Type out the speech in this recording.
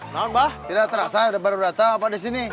nahun mah tidak terasa ada baru baru apa di sini